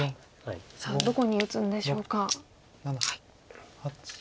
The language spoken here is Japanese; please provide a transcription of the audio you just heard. さあどこに打つんでしょうか。